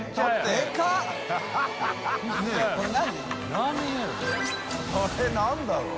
△何だろう？